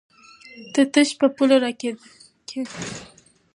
ته تش په پوله راته کېنه!